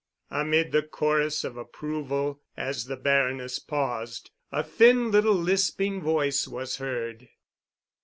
Amid the chorus of approval, as the Baroness paused, a thin little lisping voice was heard.